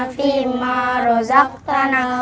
fima rozak tanah